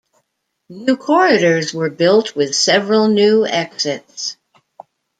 New corridors were built, with several new exits.